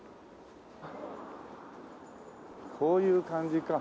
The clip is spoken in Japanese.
こういう感じか。